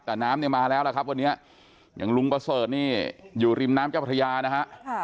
แต่น้ำเนี่ยมาแล้วล่ะครับวันนี้อย่างลุงประเสริฐนี่อยู่ริมน้ำเจ้าพระยานะฮะ